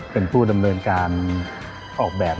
เป็นผู้ดำเนินการออกแบบ